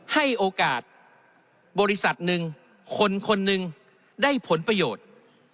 ให้โอกาสบริษัทหนึ่งคนคนหนึ่งได้ผลประโยชน์